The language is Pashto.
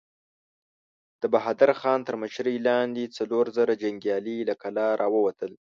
د بهادر خان تر مشرۍ لاندې څلور زره جنګيالي له کلا را ووتل.